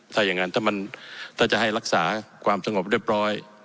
ถ้าอย่างนั้นถ้ามันถ้าจะให้รักษาความสงบเรียบร้อย